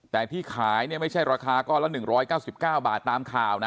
แต่ที่ขายเนี่ยไม่ใช่ราคาก้อนละ๑๙๙บาทตามข่าวนะ